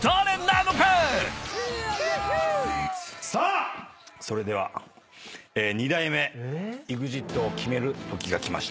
さあそれでは二代目ＥＸＩＴを決めるときがきました。